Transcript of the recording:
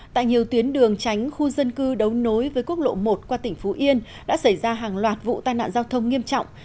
tại nhiều tuyến đường tránh khu dân cư đấu nối với quốc lộ một qua tỉnh phú yên đã xảy ra hàng loạt vụ tai nạn giao thông nghiêm trọng